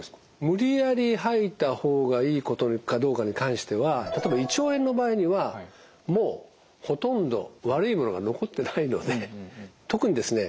無理やり吐いた方がいいことかどうかに関しては例えば胃腸炎の場合にはもうほとんど悪いものが残ってないので特にですね